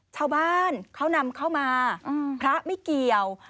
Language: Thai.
ชาวบ้านเขานำเข้ามาพระไม่เกี่ยว